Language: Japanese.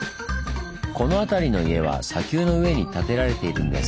この辺りの家は砂丘の上に建てられているんです。